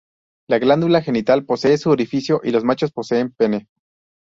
La glándula genital posee su orificio y los machos poseen pene.